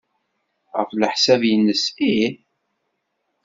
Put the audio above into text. Ɣef leḥsab-nnes, ih.